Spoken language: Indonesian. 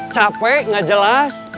capek nggak jelas